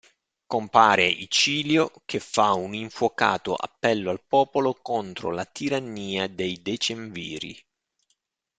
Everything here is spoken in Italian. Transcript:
Compare Icilio, che fa un infuocato appello al popolo contro la tirannia dei Decemviri.